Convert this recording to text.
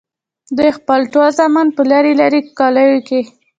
دوي خپل ټول زامن پۀ لرې لرې کلو کښې